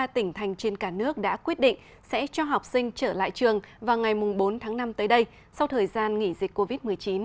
ba mươi tỉnh thành trên cả nước đã quyết định sẽ cho học sinh trở lại trường vào ngày bốn tháng năm tới đây sau thời gian nghỉ dịch covid một mươi chín